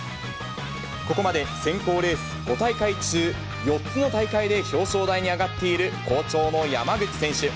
ここまで選考レース５大会中４つの大会で表彰台に上がっている好調の山口選手。